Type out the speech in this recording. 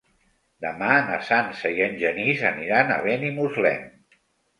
Demà na Sança i en Genís aniran a Benimuslem.